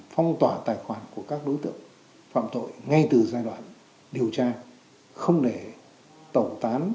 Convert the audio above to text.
phong tỏa lượng tài sản trị giá trên một mươi tỷ đồng đạt gần bảy mươi